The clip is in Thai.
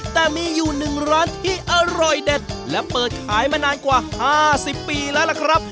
แต่มีอยู่๑ร้านที่อร่อยเด็ดและเปิดขายมานานกว่า๕๐ปีแล้วล่ะครับ